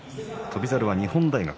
翔猿は日本大学。